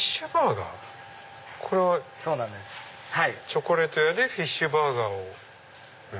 チョコレート屋でフィッシュバーガーを。